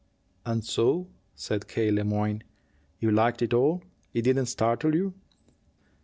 "And so," said K. Le Moyne, "you liked it all? It didn't startle you?"